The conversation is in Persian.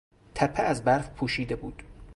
تپه از برف پوشیده بود.